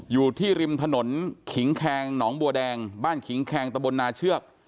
อยู่ที่ริมถนนขิงแคงหนองบัวแดงบ้านขิงแคงตะบนนาเชือก